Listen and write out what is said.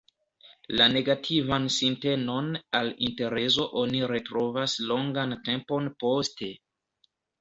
La negativan sintenon al interezo oni retrovas longan tempon poste.